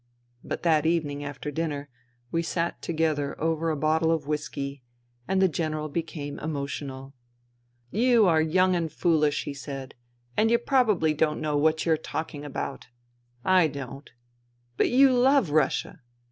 But that evening, after dinner, we sat together over a bottle of whisky, and the General became emotional. " You are young and foolish,'* he said, " and you probably don't know what you are talking about. I don't. But you love Russia.